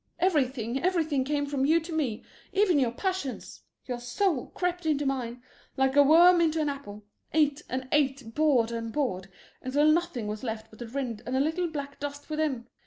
Everything, everything came from you to me, even your passions. Your soul crept into mine, like a worm into an apple, ate and ate, bored and bored, until nothing was left but the rind and a little black dust within.